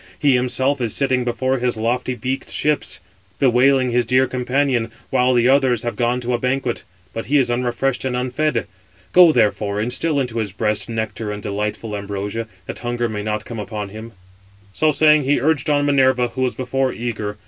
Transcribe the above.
He himself is sitting before his lofty beaked ships, bewailing his dear companion; while the others have gone to a banquet; but he is unrefreshed and unfed. Go, therefore, instil into his breast nectar and delightful ambrosia, that hunger may come not upon him." So saying, he urged on Minerva, who was before eager.